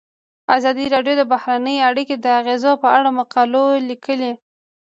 ازادي راډیو د بهرنۍ اړیکې د اغیزو په اړه مقالو لیکلي.